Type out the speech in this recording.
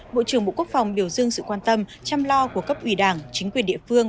bộ trưởng bộ quốc phòng biểu dương sự quan tâm chăm lo của cấp ủy đảng chính quyền địa phương